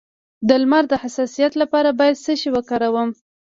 د لمر د حساسیت لپاره باید څه شی وکاروم؟